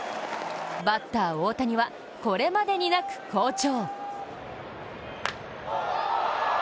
バッター・大谷はこれまでになく好調！